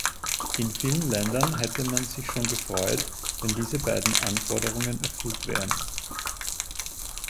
In vielen Ländern hätte man sich schon gefreut, wenn diese beiden Anforderungen erfüllt wären.